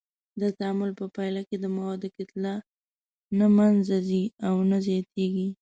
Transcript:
د تعامل په پایله کې د موادو کتله نه منځه ځي او نه زیاتیږي.